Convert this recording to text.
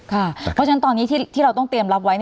เพราะฉะนั้นตอนนี้ที่เราต้องเตรียมรับไว้